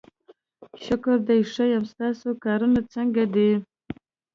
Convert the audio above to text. شکر دی ښه یم، ستاسې کارونه څنګه دي؟